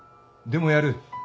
でもやる。